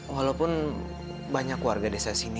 walaupun banyak warga desa sini